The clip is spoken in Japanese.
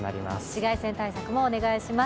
紫外線対策もお願いします。